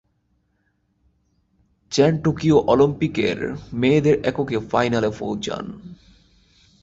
Chain Tokyo অলিম্পিকের মেয়েদের এককে ফাইনালে পৌঁছান।